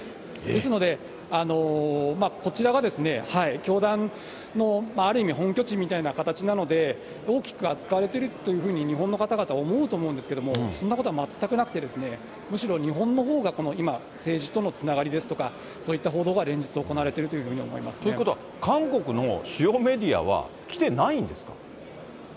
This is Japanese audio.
ですので、こちらが教団の、ある意味、本拠地みたいな形なので、大きく扱われているというふうに日本の方々思うと思うんですけれども、そんなことは全くなくて、むしろ日本のほうが今、政治とのつながりですとか、そういった報道が連日行われているというふうに思いということは、韓国の主要メはい。